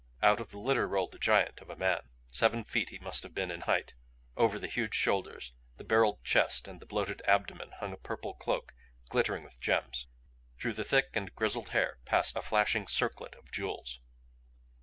Out of the litter rolled a giant of a man. Seven feet he must have been in height; over the huge shoulders, the barreled chest and the bloated abdomen hung a purple cloak glittering with gems; through the thick and grizzled hair passed a flashing circlet of jewels.